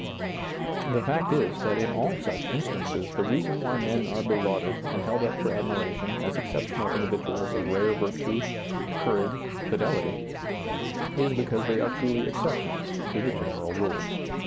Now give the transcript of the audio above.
The fact is, that in all such instances the reason why men are belauded and held up for admiration as exceptional individuals of rare virtue, courage, fidelity, is because they are truly exceptions to the general rule.